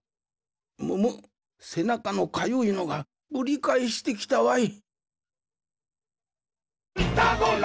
むむっせなかのかゆいのがぶりかえしてきたわい。